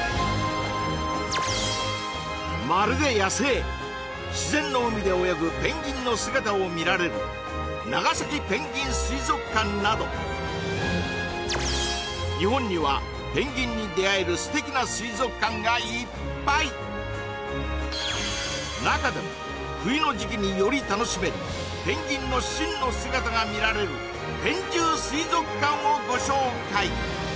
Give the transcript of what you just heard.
まるで野生自然の海で泳ぐペンギンの姿を見られる長崎ペンギン水族館など日本にはペンギンに出会える素敵な水族館がいっぱい中でも冬の時期により楽しめるペンギンの真の姿が見られるペン充水族館をご紹介